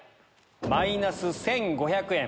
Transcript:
マイナス１５００円。